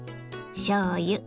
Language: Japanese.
しょうゆ